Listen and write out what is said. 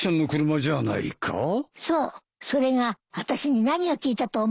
そうそれが私に何を聞いたと思う？